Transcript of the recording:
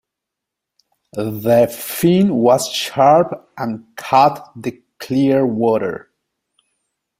The fin was sharp and cut the clear water.